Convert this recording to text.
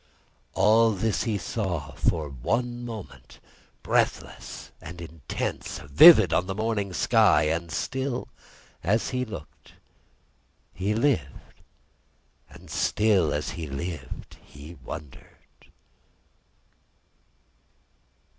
All this he saw, for one moment breathless and intense, vivid on the morning sky; and still, as he looked, he lived; and still, as he lived, he wondered.